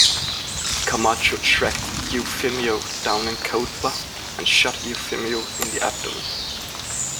Camacho tracked Eufemio down in Cuautla and shot Eufemio in the abdomen.